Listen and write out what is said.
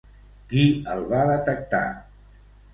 Qui el va detectar?